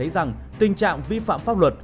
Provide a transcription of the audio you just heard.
và tình trạng vi phạm pháp luật